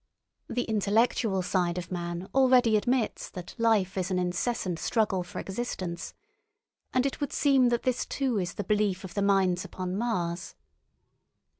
The intellectual side of man already admits that life is an incessant struggle for existence, and it would seem that this too is the belief of the minds upon Mars.